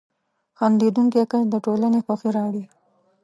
• خندېدونکی کس د ټولنې خوښي راوړي.